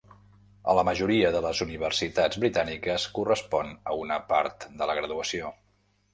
A la majoria de les universitats britàniques, correspon a una part de la graduació.